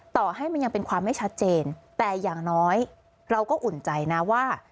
ต่อให้มันยังเป็นความไม่ชัดเจนแต่อย่างน้อยเราก็อุ่นใจนะว่า